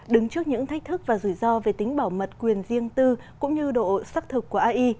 đứng trước những thách thức và rủi ro về tính bảo mật quyền riêng tư cũng như độ xác thực của ai